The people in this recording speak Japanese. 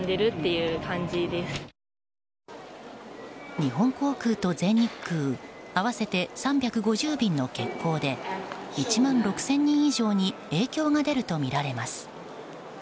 日本航空と全日空合わせて３５０便の欠航で１万６０００人以上に影響が出るとみられます。